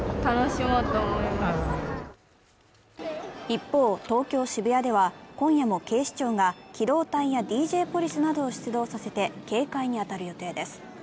一方、東京・渋谷では今夜も警視庁が機動隊やＤＪポリスなどを出動させて警戒に当たる予定です。